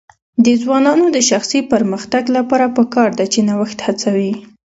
د ځوانانو د شخصي پرمختګ لپاره پکار ده چې نوښت هڅوي.